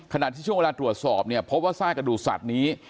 ขณะที่ช่วงเวลาตรวจสอบเนี่ยพบว่าซากกระดูกสัตว์นี้